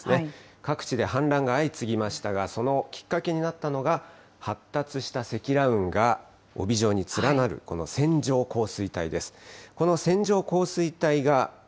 各地で氾濫が相次ぎましたが、そのきっかけになったのが、発達した積乱雲が帯状に連なる、この線状降水帯です。